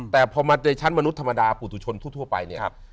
แต่พอมาในชั้นมนุษยธรรมดาปุตุชนทั่วไปเนี่ย